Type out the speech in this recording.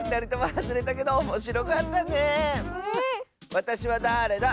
「わたしはだーれだ？」